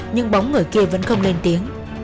nhưng bóng người kia vẫn không lên tiếng